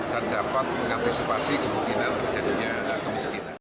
dan dapat mengantisipasi kemungkinan terjadinya kemiskinan